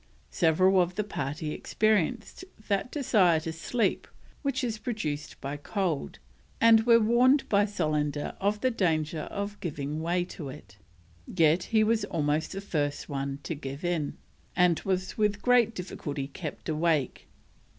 Several of the party experienced that desire to sleep which is produced by cold, and were warned by Solander of the danger of giving way to it, yet he was almost the first one to give in, and was with great difficulty kept awake.